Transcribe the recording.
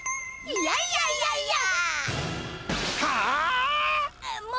いやいやいやいや！